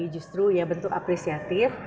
justru ya bentuk apresiatif